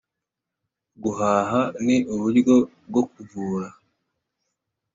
guhaha ni uburyo bwo kuvura